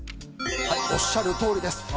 おっしゃるとおりです。